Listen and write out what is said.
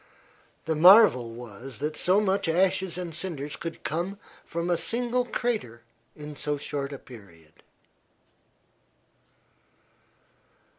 The marvel was that so much ashes and cinders could come from a single crater in so short a period.